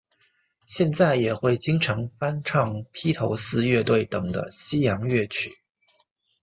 现在也会经常翻唱披头四乐队等的西洋乐曲。